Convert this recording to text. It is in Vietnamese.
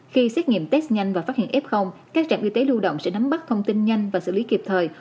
khi xét nghiệm test nhanh và phát hiện f các trạm y tế lưu động sẽ nắm bắt thông tin nhanh và xử lý kịp thời